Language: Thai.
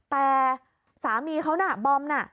แต่สามีเขาน่ะบอมน่ะ